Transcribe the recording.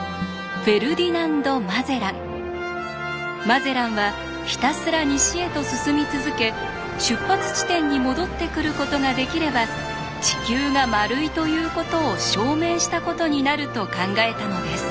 マゼランはひたすら西へと進み続け出発地点に戻ってくることができれば「地球が丸い」ということを証明したことになると考えたのです。